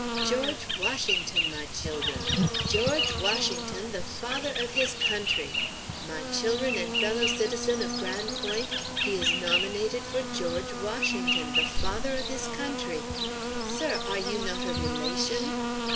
George Washington, my chil'run! George Washington, the father of his country! My chil'run and fellow citizen' of Gran' Point', he is nominated for George Washington, the father of his country! Sir, ah you not a relation?"